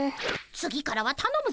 次からはたのむぞ！